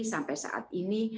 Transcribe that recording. sampai saat ini